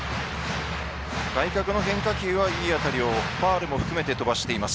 外角の変化球はいい当たりのファウルも含めて飛ばしています